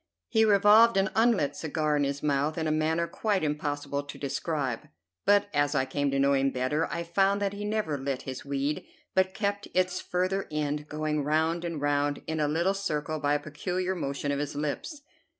He revolved an unlit cigar in his mouth, in a manner quite impossible to describe; but as I came to know him better I found that he never lit his weed, but kept its further end going round and round in a little circle by a peculiar motion of his lips.